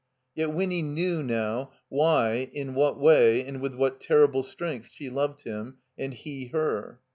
Yet Winny knew now why, in what way, and with what terrible strength she loved him and he her.